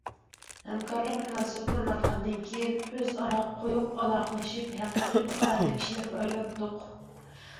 ھەمكارلىق مۇناسىۋىتى ئورناتقاندىن كېيىن، ئۆز ئارا قويۇق ئالاقىلىشىپ ھەقىقىي بىر ئائىلە كىشىلىرىگە ئايلاندۇق.